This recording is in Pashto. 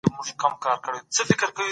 ولي ویزه په نړیواله کچه ارزښت لري؟